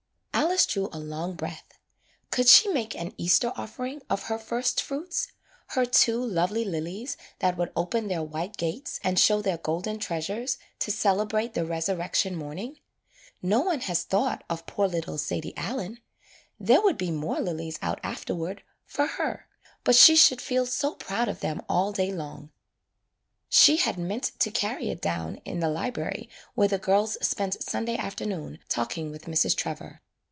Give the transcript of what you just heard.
" Alice drew a long breath. Could she make an Easter offering of her firstfruits, her two lovely lilies that would open their white gates and show their golden treasures to celebrate the resurrection morning? No one has thought of poor little Sadie Allen. There would be more lilies out afterward, for her — but she should feel so proud of them all day [ 20 ] AN EASTER LILY long. She had meant to carry it down in the library where the girls spent Sunday after noon talking with Mrs. Trevor.